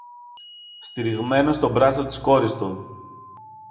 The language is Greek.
στηριγμένος στο μπράτσο της κόρης του